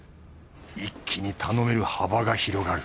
一気に頼める幅が広がる